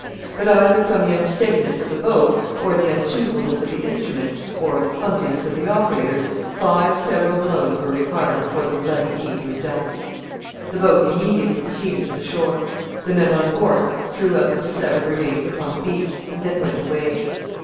But, either from the unsteadiness of the boat, or the unsuitableness of the instrument, or the clumsiness of the operator, five several blows were required before the bloody deed was done. [Sidenote: Disposal of the body.] The boat immediately proceeded to the shore. The men on board threw out the dissevered remains upon the beach, and then went away.